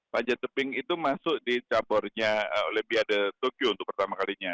panjat tebing itu masuk di caburnya olimpiade tokyo untuk pertama kalinya